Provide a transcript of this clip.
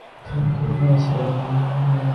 মানা ছাড়া আর কোনো উপায় আছে নাকি?